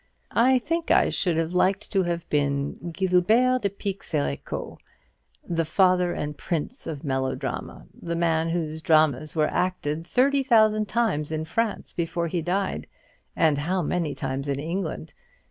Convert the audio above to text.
I think I should like to have been Guilbert de Pixérécourt, the father and prince of melodrama, the man whose dramas were acted thirty thousand times in France before he died (and how many times in England?)